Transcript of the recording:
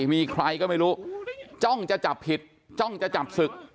มีใครก็ไม่รู้จ้องจะจับผิดจ้องจะจับศึก